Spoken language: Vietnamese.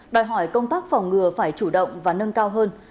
đòi hỏi công tác phòng ngừa phải chủ động và nâng cao hơn